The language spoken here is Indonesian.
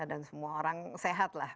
dan semua orang sehat lah